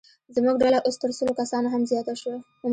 زموږ ډله اوس تر سلو کسانو هم زیاته شوه.